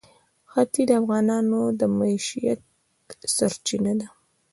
ښتې د افغانانو د معیشت سرچینه ده.